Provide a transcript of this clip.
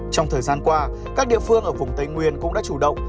trong thời gian qua các địa phương ở vùng tây nguyên cũng đã chủ động